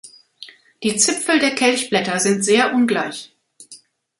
Die Zipfel der Kelchblätter sind sehr ungleich.